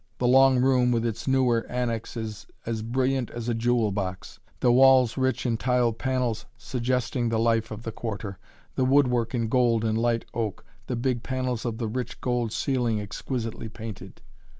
The long room, with its newer annex, is as brilliant as a jewel box the walls rich in tiled panels suggesting the life of the Quarter, the woodwork in gold and light oak, the big panels of the rich gold ceiling exquisitely painted.